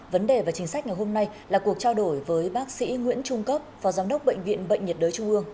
vấn đề và chính sách ngày hôm nay là cuộc trao đổi với bác sĩ nguyễn trung cấp phó giám đốc bệnh viện bệnh nhiệt đới trung ương